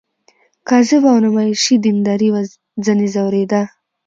کاذبه او نمایشي دینداري وه ځنې ځورېده.